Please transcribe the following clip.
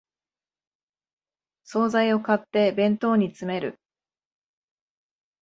総菜を買って弁当に詰める